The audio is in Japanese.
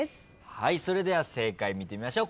はいそれでは正解見てみましょう。